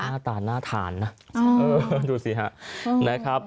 หน้าตาหน้าฐานนะดูสิฮะ